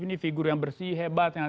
ini figur yang bersih hebat yang